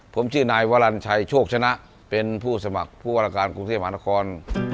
ผมชื่อนายวรรณชัยโชคชนะเป็นผู้สมัครผู้ว่าราชการกรุงเทพมหานคร